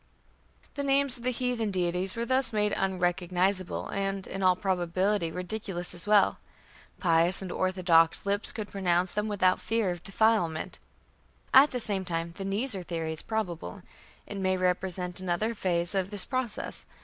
The names of heathen deities were thus made "unrecognizable, and in all probability ridiculous as well.... Pious and orthodox lips could pronounce them without fear of defilement." At the same time the "Nisr" theory is probable: it may represent another phase of this process.